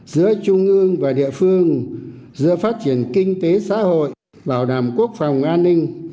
giữa trung ương và địa phương giữa phát triển kinh tế xã hội bảo đảm quốc phòng an ninh